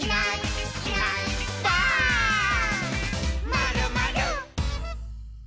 「まるまる」